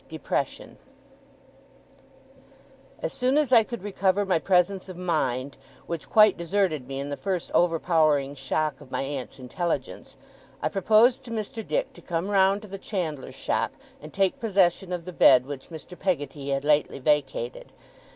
DEPRESSION As soon as I could recover my presence of mind, which quite deserted me in the first overpowering shock of my aunt's intelligence, I proposed to Mr. Dick to come round to the chandler's shop, and take possession of the bed which Mr. Peggotty had lately vacated.